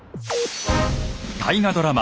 大河ドラマ